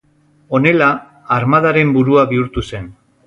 Honela, armadaren burua bihurtu zen.